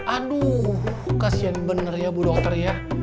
aduh kasian bener ya bu dokter ya